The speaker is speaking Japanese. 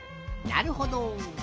なるほど。